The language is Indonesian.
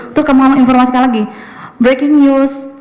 terus kamu informasikan lagi breaking news